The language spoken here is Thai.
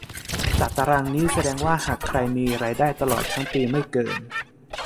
จากตารางนี้แสดงว่าหากใครมีรายได้ตลอดทั้งปีไม่เกิน